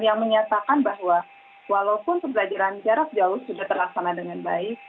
yang menyatakan bahwa walaupun pembelajaran jarak jauh sudah terlaksana dengan baik